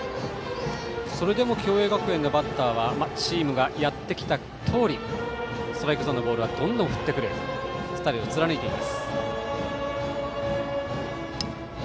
それでも共栄学園のバッターはチームがやってきたとおりストライクゾーンのボールはどんどん振ってくるスタイルを貫いています。